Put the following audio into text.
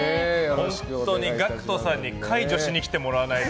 本当にＧＡＣＫＴさんに解除にし来てもらわないと。